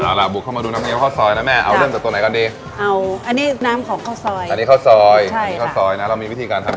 เอาละบุกเข้ามาดูน้ำเงียวก้าวซอยนะแม่